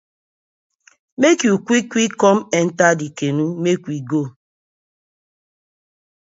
Mek yu quick quick kom enter dey canoe mek we go.